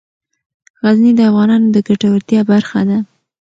غزني د افغانانو د ګټورتیا برخه ده.